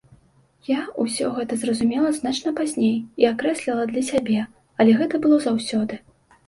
Я ўсё гэта зразумела значна пазней і акрэсліла для сябе, але гэта было заўсёды.